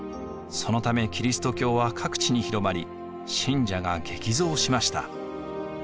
そのためキリスト教は各地に広まり信者が激増しました。